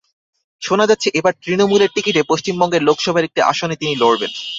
শোনা যাচ্ছে, এবার তৃণমূলের টিকিটে পশ্চিমবঙ্গের লোকসভার একটি আসনে তিনি লড়বেন।